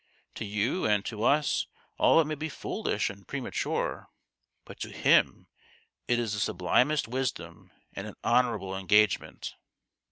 To you and to us all it may be foolish and premature ; but to him it is the sublimest wisdom and an honourable engagement."